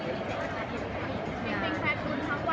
พี่แม่ที่เว้นได้รับความรู้สึกมากกว่า